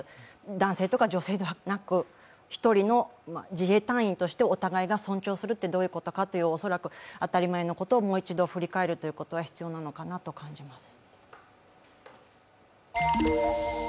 男性とか女性ではなく１人の自衛隊員としてお互いが尊重するってどういうことかっていう当たり前のことをもう一度振り返ることが必要なのかなと感じます。